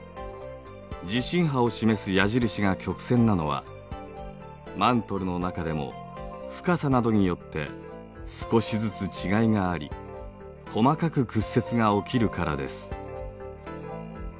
地震波を示す矢印が曲線なのはマントルの中でも深さなどによって少しずつ違いがあり細かく屈折が起きるからです。